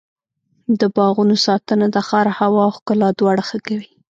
د باغونو ساتنه د ښار هوا او ښکلا دواړه ښه کوي.